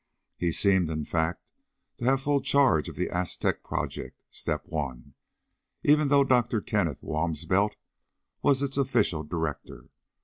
He seemed, in fact, to have full charge of the Aztec project Step One even though Dr. Kenneth Walmsbelt was its official director.